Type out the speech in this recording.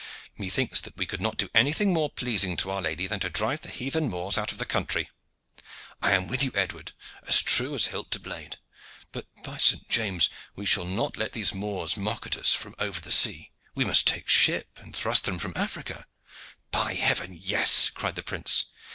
"Methinks that we could not do anything more pleasing to Our Lady than to drive the heathen Moors out of the country." "I am with you, Edward, as true as hilt to blade. But, by St. James! we shall not let these Moors make mock at us from over the sea. We must take ship and thrust them from Africa." "By heaven, yes!" cried the prince.